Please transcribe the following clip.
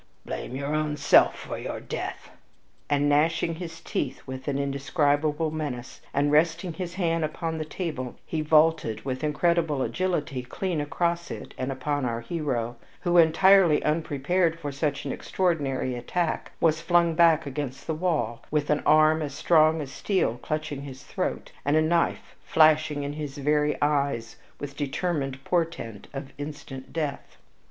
Blame your own self for your death!" And, gnashing his teeth with an indescribable menace, and resting his hand upon the table, he vaulted with incredible agility clean across it and upon our hero, who, entirely unprepared for such an extraordinary attack, was flung back against the wall, with an arm as strong as steel clutching his throat and a knife flashing in his very eyes with dreadful portent of instant death.